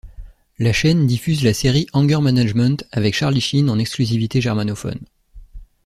La chaîne diffuse la série Anger Management avec Charlie Sheen en exclusivité germanophone.